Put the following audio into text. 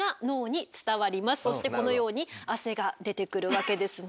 そしてこのように汗が出てくるわけですね。